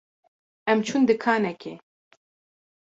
Em çûn dikanekê.